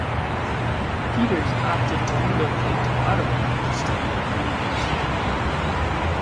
Peters opted to relocate to Ottawa to study at the University of Ottawa.